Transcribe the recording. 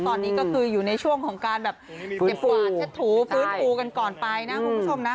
ตอนนี้ก็คืออยู่ในช่วงของการแบบเก็บกวาดเช็ดถูฟื้นฟูกันก่อนไปนะคุณผู้ชมนะ